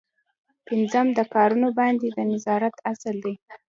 پنځم په کارونو باندې د نظارت اصل دی.